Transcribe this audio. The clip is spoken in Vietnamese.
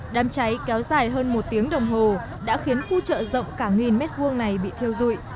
đám cháy kéo dài hơn một tiếng đồng hồ đã khiến khu chợ rộng cả nghìn mét vuông này bị thiêu dụi